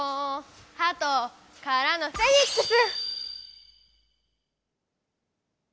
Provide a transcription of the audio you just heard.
はとからのフェニックス！